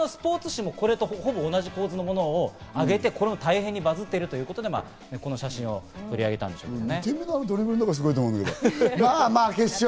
この前に他のスポーツ紙もこれと同じ構図のものをあげて大変にバズっているということで、この写真を取り上げたんでしょうね。